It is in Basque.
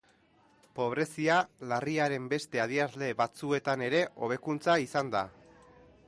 Pobrezia larriaren beste adierazle batzuetan ere hobekuntza izan da.